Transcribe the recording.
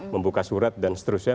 membuka surat dan seterusnya